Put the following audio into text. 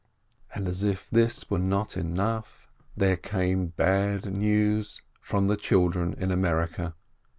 And as if this were not enough, there came bad news from the children in America.